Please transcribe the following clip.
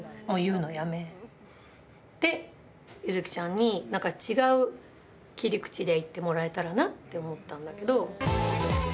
もう言うのやめて、ゆづきちゃんに、何か違う切り口で言ってもらえたらなって思ったんだけど。